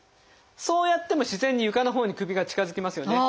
そうやっても自然に床のほうに首が近づきますよね。